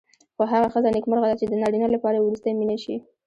خو هغه ښځه نېکمرغه ده چې د نارینه لپاره وروستۍ مینه شي.